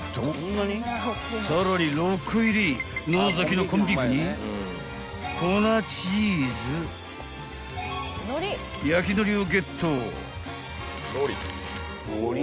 ［さらに６個入りノザキのコンビーフに粉チーズ焼きのりをゲット］